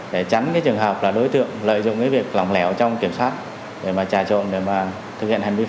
để tránh trường hợp đối tượng lợi dụng việc lỏng lệch